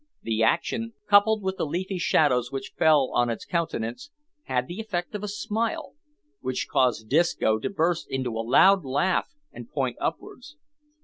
The action, coupled with the leafy shadows which fell on its countenance, had the effect of a smile, which caused Disco to burst into a loud laugh and point upwards.